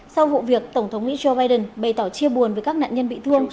sau vụ việc tổng thống mỹ joe biden bày tỏ chia buồn với các nạn nhân bị thương